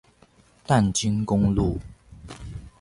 淡金公路